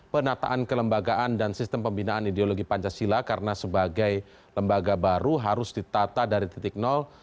penataan kelembagaan dan sistem pembinaan ideologi pancasila karena sebagai lembaga baru harus ditata dari titik nol